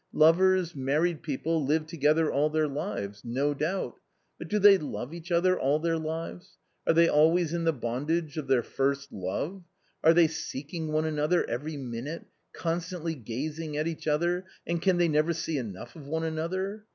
Lovers, married people, live together all their lives — no doubt ! but do they love each other all their lives ? are they always in the bondage of their first love? are they seeking one another every minute, constantly gazing at each other, and can they never see enough of one another